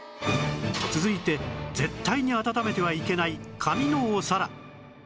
続いて絶対に温めてはいけない紙のお皿